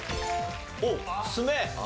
おっ爪。